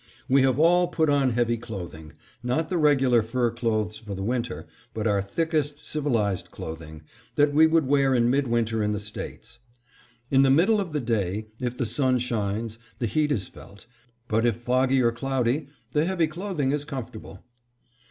We have all put on heavy clothing; not the regular fur clothes for the winter, but our thickest civilized clothing, that we would wear in midwinter in the States. In the middle of the day, if the sun shines, the heat is felt; but if foggy or cloudy, the heavy clothing is comfortable.